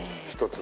１つ。